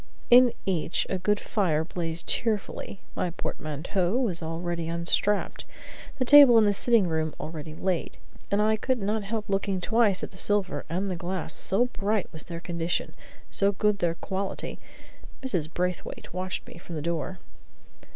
In each a good fire blazed cheerfully; my portmanteau was already unstrapped, the table in the sitting room already laid; and I could not help looking twice at the silver and the glass, so bright was their condition, so good their quality. Mrs. Braithwaite watched me from the door.